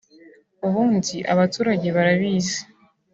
ubundi abaturage barabizi